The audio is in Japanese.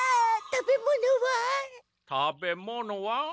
食べ物は。